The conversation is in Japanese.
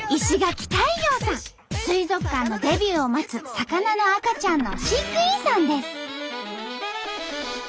水族館のデビューを待つ魚の赤ちゃんの飼育員さんです。